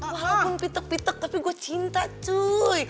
walaupun pitek pitek tapi gue cinta cuek